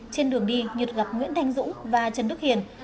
trên đường đi nhật gặp nguyễn thanh dũng và trần đức hiền